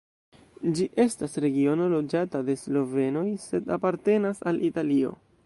Ĝi estas regiono loĝata de slovenoj sed apartenas al Italio.